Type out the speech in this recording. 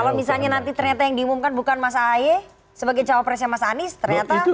kalau misalnya nanti ternyata yang diumumkan bukan mas ahy sebagai cawapresnya mas anies ternyata